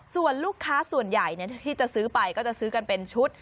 ส่วนลูกค้าส่วนใหญ่ที่จะซื้อไปก็จะซื้อกันเป็นชุด